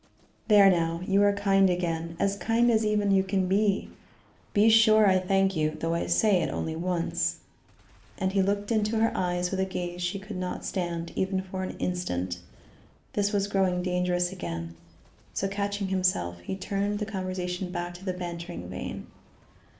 "There now! you are kind again; as kind as even you can be. Be sure, I thank you, though I say it only once," and he looked into her eyes with a gaze she could not stand even for an instant. This was growing dangerous again, so, catching himself, he turned the conversation back into the bantering vein.